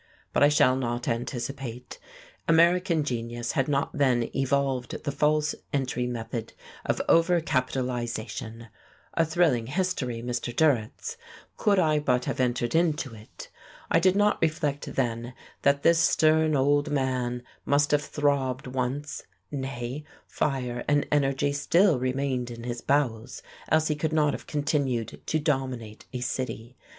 But I shall not anticipate. American genius had not then evolved the false entry method of overcapitalization. A thrilling history, Mr. Durrett's, could I but have entered into it. I did not reflect then that this stern old man must have throbbed once; nay, fire and energy still remained in his bowels, else he could not have continued to dominate a city.